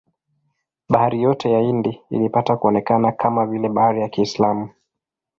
Bahari yote ya Hindi ilipata kuonekana kama vile bahari ya Kiislamu.